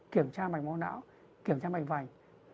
kiểm tra mạch máu não kiểm tra mạch vành